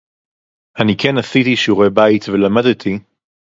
אני כן עשיתי שיעורי בית ולמדתי